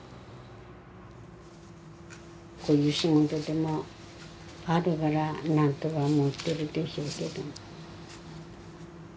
こういう仕事でもあるから何とかもってるでしょうけど。